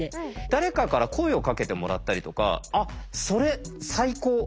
誰かから声をかけてもらったりとかあっそれ最高！